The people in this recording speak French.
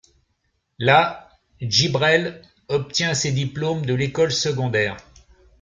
Là, Jibrell obtient ses diplômes de l'école secondaire.